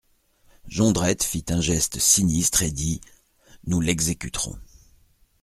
Jondrette fit un geste sinistre et dit : Nous l'exécuterons.